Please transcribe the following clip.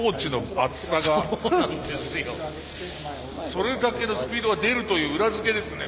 それだけのスピードが出るという裏付けですね